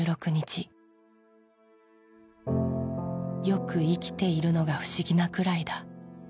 「よく生きているのが不思議なくらいだ」